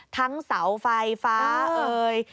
ทั้งเสาไฟฟ้าเอ่ย